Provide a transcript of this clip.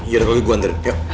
yaudah gue bantu